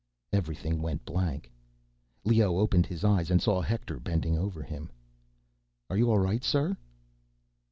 Everything went blank. Leoh opened his eyes and saw Hector bending over him. "Are you all right, sir?"